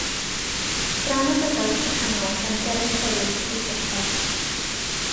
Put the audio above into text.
Drama gyfoes ddychanol gan Geraint Lewis yw Dosbarth.